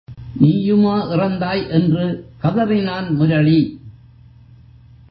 நீயுமா இறந்தாய்? என்று கதறினான் முரளி.